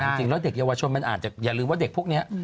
แล้วมันไม่จริงแล้วเด็กโยวชนมันอาจจะอย่าลืมว่าเด็กพวกเนี้ย